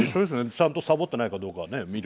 ちゃんとさぼってないかどうか見る。